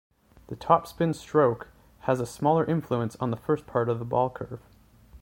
The topspin stroke has a smaller influence on the first part of the ball-curve.